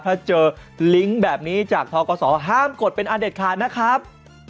ถ้าเจอลิงก์แบบนี้จากทกศห้ามกดเป็นอันเด็ดขาดนะครับ